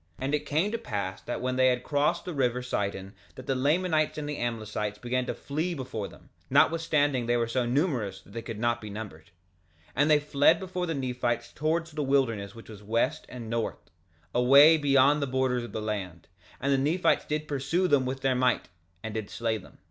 2:35 And it came to pass that when they had all crossed the river Sidon that the Lamanites and the Amlicites began to flee before them, notwithstanding they were so numerous that they could not be numbered. 2:36 And they fled before the Nephites towards the wilderness which was west and north, away beyond the borders of the land; and the Nephites did pursue them with their might, and did slay them.